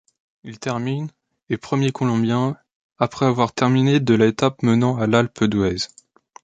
Il termine et premier Colombien, après avoir terminé de l'étape menant à L'Alpe d'Huez.